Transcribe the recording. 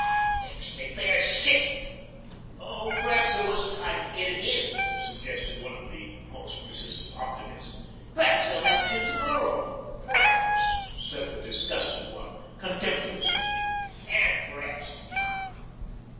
It makes me fair sick.' 'P'raps there wasn't time to get it in,' suggested one of the most persistent optimists. 'P'raps they'll have it in to morrow.' 'P'raps,' said the disgusted one contemptuously, 'an' p'raps not.